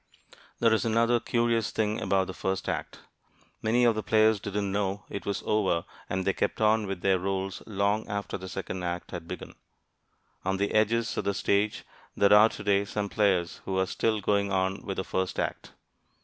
There is another curious thing about the first act. Many of the players didn't know it was over and they kept on with their roles long after the second act had begun. On the edges of the stage there are today some players who are still going on with the first act.